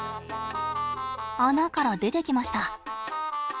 穴から出てきました。